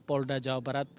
polda jawa barat